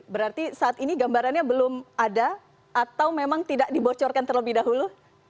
berarti saat ini gambarannya belum ada atau memang tidak dibocorkan terlebih dahulu